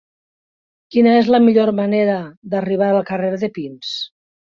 Quina és la millor manera d'arribar al carrer de Pins?